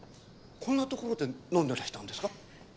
こんな所で飲んでらしたんですか？